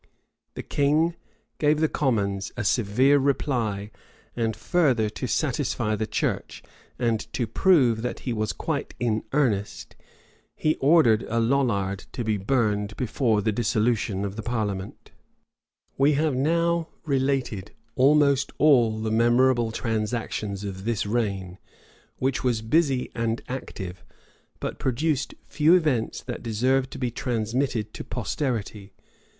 The king gave the commons a severe reply and further to satisfy the church, and to prove that he was quite in earnest, he ordered a Lollard to be burned before the dissolution of the parliament.[] * Walsing. p. 379. Tit. Livius. Rymer, vol. viii. p. 627. Otterborne> p. 267. {1413.} We have now related almost all the memorable transactions of this reign, which was busy and active, but produced few events that deserve to be transmitted to posterity.